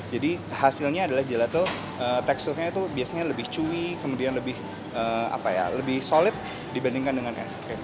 jadi hasilnya adalah gelato teksturnya itu biasanya lebih chewy kemudian lebih solid dibandingkan dengan es krim